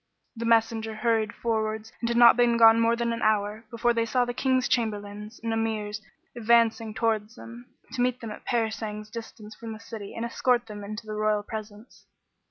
The messenger hurried forwards and had not been gone more than an hour, before they saw the King's Chamberlains and Emirs advancing towards them, to meet them at a parasang's distance from the city and escort them into the royal presence.